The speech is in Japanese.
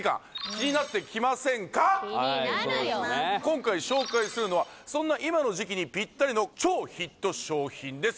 気になるよ今回紹介するのはそんな今の時期にピッタリの超ヒット商品です